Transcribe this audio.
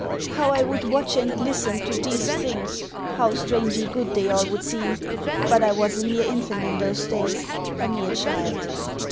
How I would watch and listen to these things! How strangely good they all would seem! But I was a mere infant in those days a mere child.